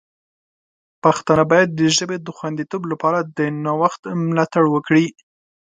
پښتانه باید د ژبې د خوندیتوب لپاره د نوښت ملاتړ وکړي.